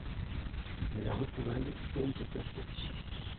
Mais les retrouvailles tournent au fiasco.